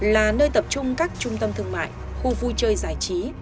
là nơi tập trung các trung tâm thương mại khu vui chơi giải trí